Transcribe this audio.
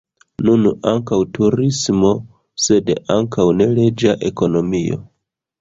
Nun ankaŭ turismo, sed ankaŭ neleĝa ekonomio.